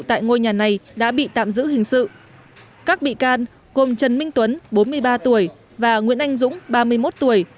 tại ngôi nhà này đã bị tạm giữ hình sự các bị can gồm trần minh tuấn bốn mươi ba tuổi và nguyễn anh dũng ba mươi một tuổi